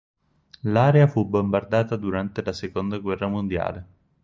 L'area fu bombardata durante la seconda guerra mondiale.